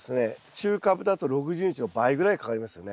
中カブだと６０日の倍ぐらいかかりますよね。